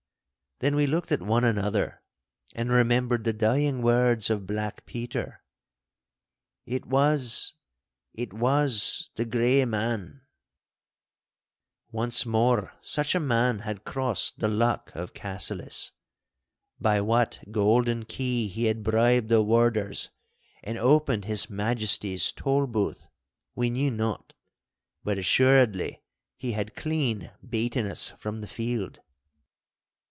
Then we looked at one another, and remembered the dying words of Black Peter—'It was—it was—the Grey Man—!' Once more such a man had crossed the luck of Cassillis. By what golden key he had bribed the warders and opened His Majesty's Tolbooth, we knew not; but assuredly he had clean beaten us from the field.